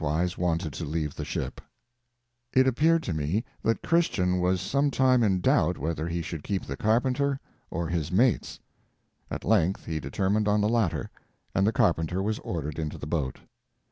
出現在 44 書籍中,時間範圍:1778 2007第 27頁 It appeared to me that Christian was some time in doubt whether he should keep the carpenter or his mates; at length he determined on the latter, and the carpenter was ordered into the boat.